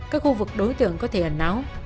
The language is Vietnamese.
các khu vực đối tượng có thể ẩn áo